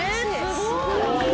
すごい！